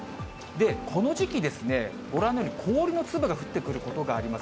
この時期、ご覧のように、氷の粒が降ってくることがあります。